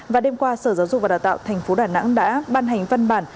và đêm qua sở giáo dục và đào tạo tp đà nẵng đã ban hành văn bản